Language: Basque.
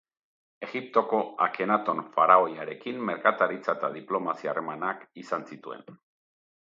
Egiptoko Akenaton faraoiarekin merkataritza eta diplomazia harremanak izan zituen.